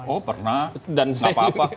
oh pernah dan nggak apa apa